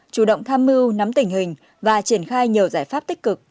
chủ động tham mưu nắm tình hình và triển khai nhiều giải pháp tích cực